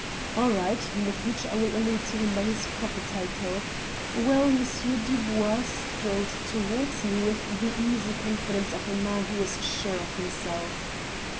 "All right. In future I will allude to him by his proper title. Well, Monsieur Dubois strolled towards me with the easy confidence of a man who was sure of himself.